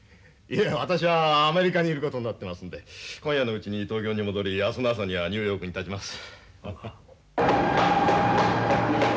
いえ私はアメリカにいることになってますので今夜のうちに東京に戻り明日の朝にはニューヨークにたちます。